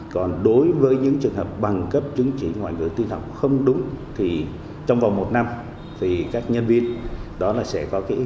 còn đối với những trường hợp bằng cấp chứng chỉ ngoại ngữ tin học không đúng thì trong vòng một năm thì các nhân viên đó là sẽ có